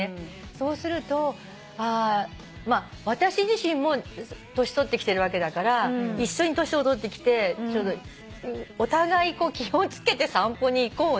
そうすると私自身も年取ってきてるわけだから一緒に年を取ってきてお互い気を付けて散歩に行こうねって